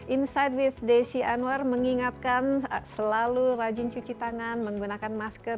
insight with desi anwar mengingatkan selalu rajin cuci tangan menggunakan masker